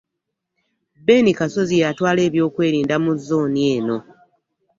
Ben Kasozi, y'atwala eby'okwerinda mu zzooni eno